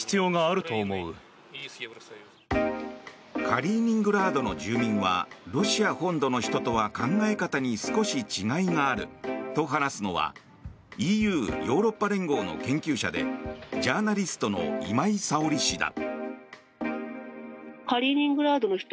カリーニングラードの住民はロシア本土の人とは考え方に少し違いがあると話すのはＥＵ・ヨーロッパ連合の研究者でジャーナリストの今井佐緒里氏だ。